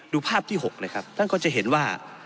ดูภาพที่๖เลยครับท่านก็จะเห็นว่า